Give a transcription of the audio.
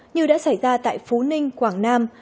như đã xảy ra tại phú ninh quảng nam